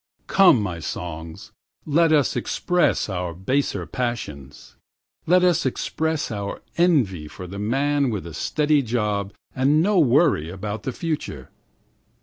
1Come, my songs, let us express our baser passions.2Let us express our envy for the man with a steady job and no worry about the future.